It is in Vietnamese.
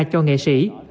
cho nghệ sĩ